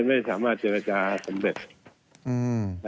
ไม่สามารถเจรจาสำเร็จ